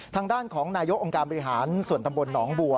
ทางด้านของนายกองค์การบริหารส่วนตำบลหนองบัว